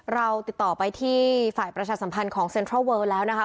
เราติดต่อไปที่ฝ่ายประชาสัมพันธ์ของเซ็นทรัลเวิร์ลแล้วนะคะ